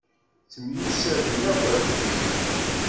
Ttemyussaden akk ad d-ffin.